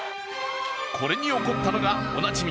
これに怒ったのがおなじみ